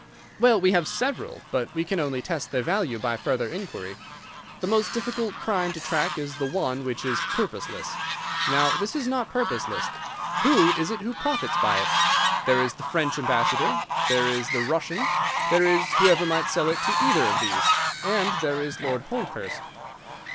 "Well, we have several, but we can only test their value by further inquiry. The most difficult crime to track is the one which is purposeless. Now this is not purposeless. Who is it who profits by it? There is the French ambassador, there is the Russian, there is whoever might sell it to either of these, and there is Lord Holdhurst."